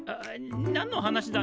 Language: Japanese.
なんの話だね？